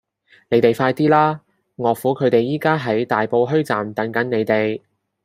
你哋快啲啦!岳父佢哋而家喺大埔墟站等緊你哋